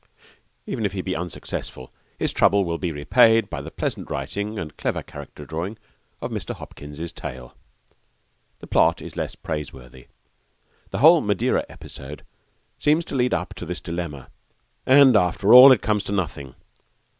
Even if he be unsuccessful, his trouble will be repaid by the pleasant writing and clever character drawing of Mr. Hopkins's tale. The plot is less praiseworthy. The whole Madeira episode seems to lead up to this dilemma, and after all it comes to nothing.